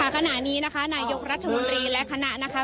ขณะนี้นะคะนายกรัฐมนตรีและคณะนะคะ